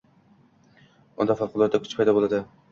unda favqulodda kuch paydo boʻladi